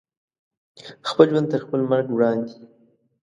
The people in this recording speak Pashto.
خپل ژوند تر خپل مرګ وړاندې